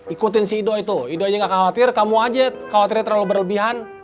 ikutin si doi tuh i doi gak khawatir kamu aja khawatirnya terlalu berlebihan